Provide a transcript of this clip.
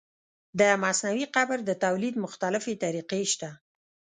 د مصنوعي قیر د تولید مختلفې طریقې شته